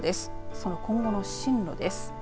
その今後の進路です。